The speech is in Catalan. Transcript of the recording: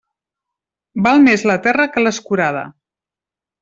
Val més la terra que l'escurada.